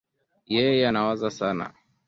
Yeye anawaza sana